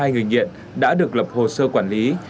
một trăm sáu mươi hai người nghiện đã được lập hồ sơ quản lý